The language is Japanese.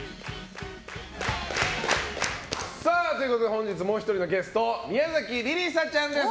本日もう１人のゲスト宮崎莉里沙ちゃんです。